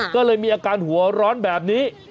ก็เลยมีอาการหัวร้อนแบบนี้